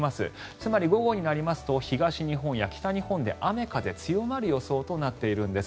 つまり午後になりますと東日本や北日本で雨風強まる予想となっているんです。